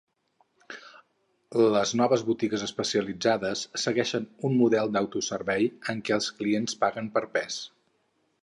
Les noves botigues especialitzades segueixen un model d'autoservei, en què els clients paguen per pes.